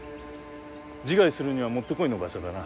自害するにはもってこいの場所だな。